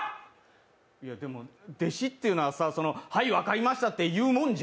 いや、でも、弟子っていうのははい、分かりましたって言うもんじゃん。